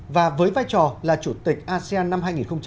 và với vai trò là chủ tịch asean năm hai nghìn hai mươi